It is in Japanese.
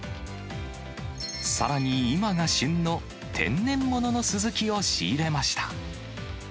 さらに、今が旬の天然物のスズキを仕入れました。